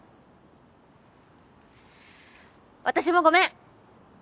私もごめん！